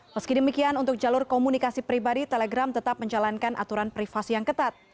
meski demikian untuk jalur komunikasi pribadi telegram tetap menjalankan aturan privasi yang ketat